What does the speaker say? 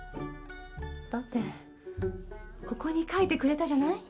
だってここに書いてくれたじゃない？